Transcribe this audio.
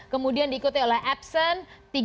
kemudian diikuti oleh epson tiga dua puluh satu